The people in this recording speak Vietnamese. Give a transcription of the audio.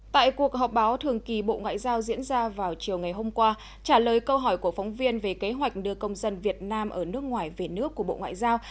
tại cuộc họp báo thường kỳ bộ ngoại giao diễn ra vào chiều ngày hôm qua trả lời câu hỏi của phóng viên về kế hoạch đưa công dân việt nam ở nước ngoài về nước của bộ ngoại giao